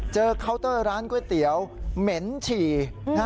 เจอเคาน์เตอร์ร้านก้วยเตี๋ยวเมนเฉียง